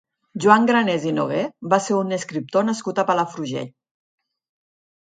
Joan Granés i Noguer va ser un escriptor nascut a Palafrugell.